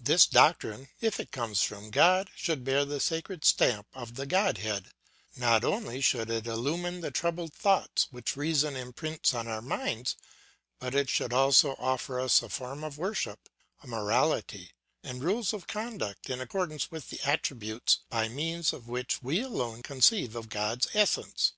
"This doctrine, if it comes from God, should bear the sacred stamp of the godhead; not only should it illumine the troubled thoughts which reason imprints on our minds, but it should also offer us a form of worship, a morality, and rules of conduct in accordance with the attributes by means of which we alone conceive of God's essence.